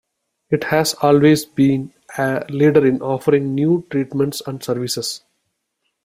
It has always been a leader in offering new treatments and services.